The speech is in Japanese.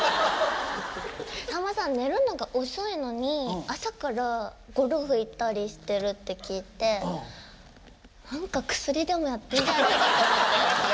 さんまさん寝るのが遅いのに朝からゴルフ行ったりしてるって聞いて何か薬でもやってんじゃないかと思って。